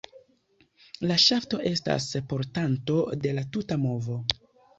La ŝafto estas portanto de la tuta movo.